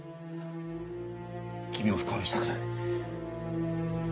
君を不幸にしたくない。